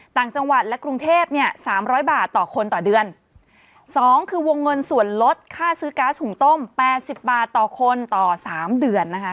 ต่างจังหวัดและกรุงเทพเนี่ยสามร้อยบาทต่อคนต่อเดือนสองคือวงเงินส่วนลดค่าซื้อก๊าซหุงต้มแปดสิบบาทต่อคนต่อสามเดือนนะคะ